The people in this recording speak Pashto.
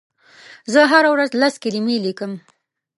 زه هره ورځ لس کلمې لیکم.